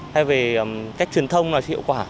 hay về cách truyền thông là hiệu quả